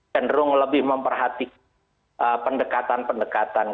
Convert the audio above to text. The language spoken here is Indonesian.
cenderung lebih memperhatikan pendekatan pendekatan